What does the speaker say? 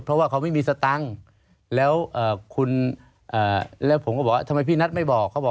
เพราะว่าเขาไม่มีสตังค์แล้วผมก็บอกทำไมพี่นัทไม่บอก